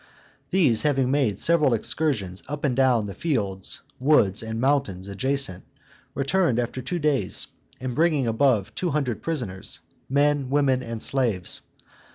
These having made several excursions up and down the fields, woods, and mountains adjacent, returned after two days, bringing above two hundred prisoners, men, women, and slaves.